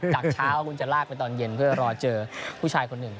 จากเช้าคุณจะลากไปตอนเย็นเพื่อรอเจอผู้ชายคนหนึ่ง